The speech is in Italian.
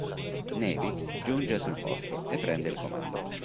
Navy giunge sul posto e prende il comando.